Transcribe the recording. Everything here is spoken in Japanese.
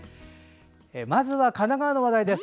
まずは神奈川の話題です。